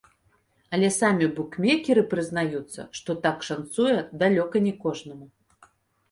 Але самі букмекеры прызнаюцца, што так шанцуе далёка не кожнаму.